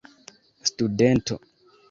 studento